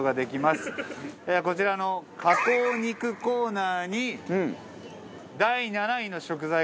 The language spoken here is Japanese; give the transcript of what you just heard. こちらの加工肉コーナーに第７位の食材があります。